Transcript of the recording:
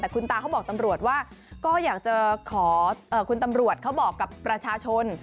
แต่คุณตาเขาบอกตำรวจว่าก็อยากจะขอคุณตำรวจเขาบอกกับประชาชน